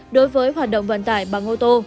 đối với hoạt động vận tải bằng ô tô